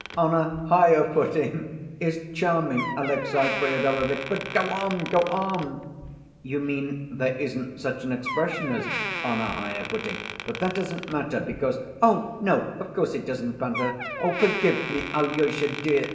" 'On a higher footing' is charming, Alexey Fyodorovitch; but go on, go on!" "You mean there isn't such an expression as 'on a higher footing'; but that doesn't matter because—" "Oh, no, of course it doesn't matter. Forgive me, Alyosha, dear....